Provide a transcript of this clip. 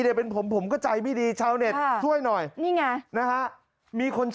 เดี๋ยวเป็นผมผมก็ใจไม่ดี